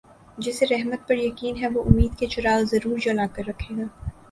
جسے رحمت پر یقین ہے وہ امید کے چراغ ضرور جلا کر رکھے گا